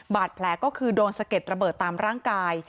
บาดแผลก็คือโดนสะเก็ดระเบิดตามร่างกาย